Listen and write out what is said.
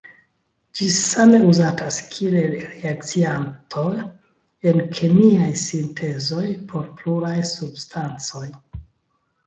Ĝi same uzatas kiel reakcianto en kemiaj sintezoj por pluraj substancoj.